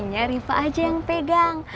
kuncinya rifka aja yang pegang